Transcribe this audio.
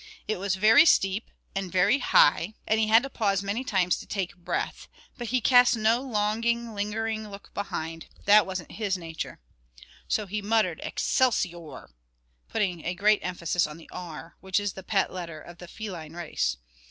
It was very steep, and very high, and he had to pause many times to take breath; but he cast no longing lingering look behind, that wasn't his nature. So he muttered, "Excelsior," putting a great emphasis on the "r," which is the pet letter of the feline race.